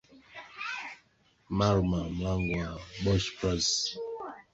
ya Marmara Mlango wa Bosphorus na Dardanelles